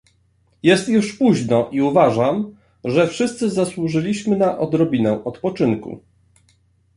Jest już późno i uważam, że wszyscy zasłużyliśmy na odrobinę odpoczynku